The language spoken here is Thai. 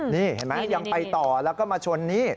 นี่เห็นไหมยังไปต่อแล้วก็มาชนนี่